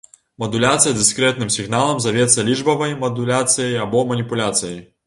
Мадуляцыя дыскрэтным сігналам завецца лічбавай мадуляцыяй або маніпуляцыяй.